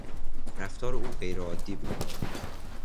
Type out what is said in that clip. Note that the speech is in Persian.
رفتار او غیر عادی بود.